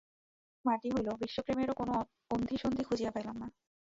শরীর মাটি হইল, বিশ্বপ্রেমেরও কোনো অন্ধিসন্ধি খুঁজিয়া পাইলাম না।